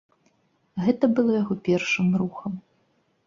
Гэта было яго першым рухам.